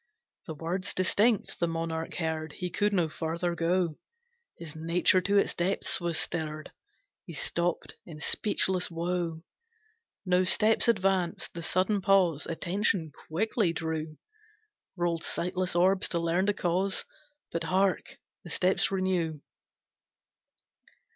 The words distinct, the monarch heard, He could no further go, His nature to its depths was stirred, He stopped in speechless woe. No steps advanced, the sudden pause Attention quickly drew, Rolled sightless orbs to learn the cause, But, hark! the steps renew.